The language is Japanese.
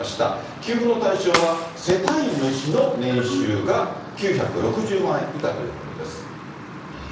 給付の対象は世帯主の年収が９６０万円以下ということです。